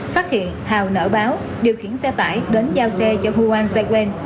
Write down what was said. phát hiện thào nở báo điều khiển xe tải đến giao xe cho huan zai quen